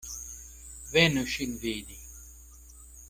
Venu ŝin vidi.